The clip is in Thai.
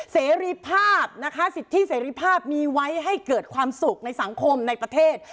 เสรีภาพนะคะสิทธิเสรีภาพมีไว้ให้เกิดความสุขในสังคมในประเทศ